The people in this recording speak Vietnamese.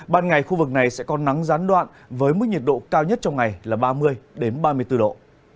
ban ngày thì khu vực này sẽ còn nắng gián đoạn với mức nhiệt độ cao nhất trong ngày là ba mươi đến ba mươi bốn độ